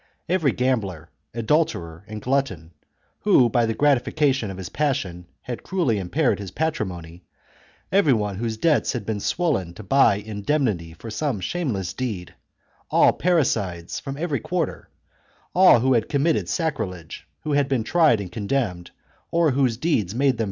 Every gambler, adulterer, and glutton, who, by the gratification of his passion, had cruelly impaired his patrimony, every one whose debts had been swollen to buy indemnity for some shameless deed, all parricides from every quarter, all who had committed sacrilege, who had been tried and condemned, or whose deeds made them 12 THE CONSPIRACY OF CATILINE.